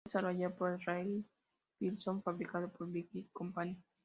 Fue desarrollado por Rex Pierson y fabricado por la Vickers Company.